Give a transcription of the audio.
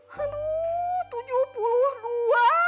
hmm aduh tujuh puluh dua